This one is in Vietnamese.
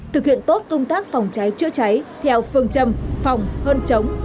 thực hiện tốt công tác phòng cháy chữa cháy theo phương châm phòng hơn chống